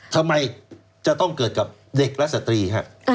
ทำไมจะต้องเกิดกับเด็กและสตรีฮะ